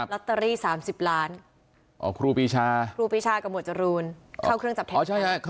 ลอตเตอรี่๓๐ล้านครูพิชากระบวนจรูนเค้าเครื่องจับเท็จ